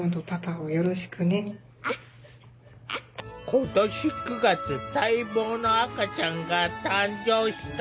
今年９月待望の赤ちゃんが誕生した！